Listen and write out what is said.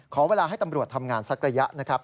ขอเวลาให้ตำรวจทำงานสักระยะนะครับ